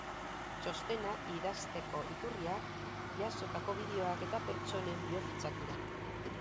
Txostena idazteko iturriak jasotako bideoak eta pertsonen biofitxak dira.